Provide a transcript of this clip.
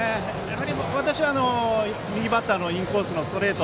私は右バッターのインコースのストレート